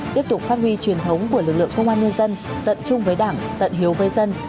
tiếp tục phát huy truyền thống của lực lượng công an nhân dân tận chung với đảng tận hiếu với dân